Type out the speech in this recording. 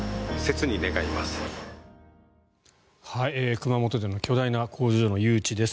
熊本での巨大な工場の誘致です。